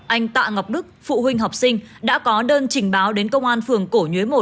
anh tạ ngọc đức phụ huynh học sinh đã có đơn trình báo đến công an phường cổ nhuế một